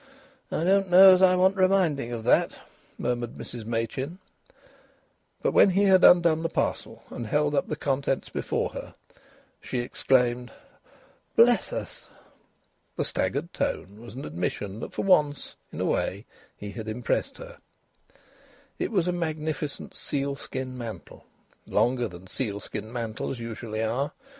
"I don't know as I want reminding of that," murmured Mrs Machin. But when he had undone the parcel and held up the contents before her, she exclaimed: "Bless us!" The staggered tone was an admission that for once in a way he had impressed her. It was a magnificent sealskin mantle, longer than sealskin mantles usually are.